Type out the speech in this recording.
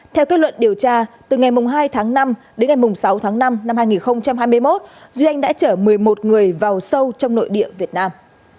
theo kết luận điều tra từ ngày hai tháng năm đến ngày sáu tháng năm năm hai nghìn hai mươi một duy anh đã chở một mươi một người vào sâu trong nội địa việt nam